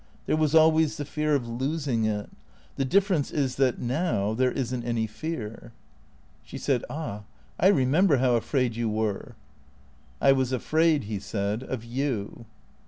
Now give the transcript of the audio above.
There was always the fear of losing it. The difference is that — now — there isn't anv fear." THE CREA TOES 439 She said, " Ah, I remember how afraid you were." " I was afraid," he said, " of you."